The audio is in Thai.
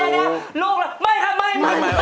เดี๋ยวลูกล่ะไม่ครับไม่